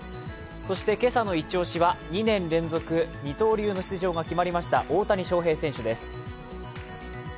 そして今朝のイチ押しは２年連続二刀流の出場が決まりました大谷翔平選手です。